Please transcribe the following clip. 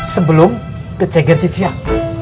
sebelum ke ceger ciciak